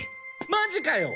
マジかよ！？